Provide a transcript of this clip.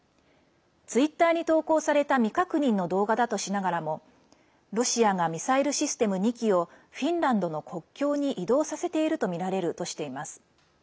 ツイッターに投稿された未確認の動画だとしながらもロシアがミサイルシステム２基をフィンランドの国境に移動させているとみられるとしています。